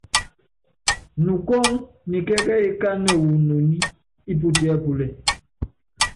Nukɔ́ŋ nyi kɛ́kɛ́yí kánɛ wu inoní íputíɛ́púlɛ.